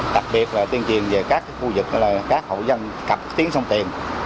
đặc biệt là tiên triền về các khu vực các hộ dân cập tiếng sông tiền